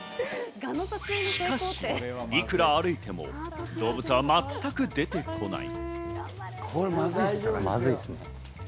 しかし幾ら歩いても動物は全く出てこない。